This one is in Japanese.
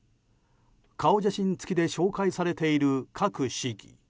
顔写真付きで紹介されている各市議。